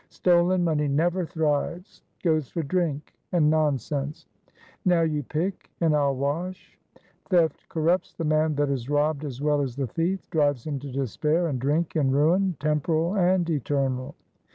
Stolen money never thrives goes for drink and nonsense. Now you pick and I'll wash. Theft corrupts the man that is robbed as well as the thief; drives him to despair and drink and ruin temporal and eternal.